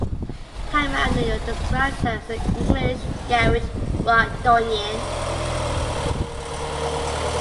"Time Out New York" described her as an "English garage rock doyenne.